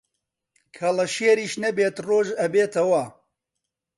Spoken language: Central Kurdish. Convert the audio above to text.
کەڵەشێریش نەبێت ڕۆژ ئەبێتەوە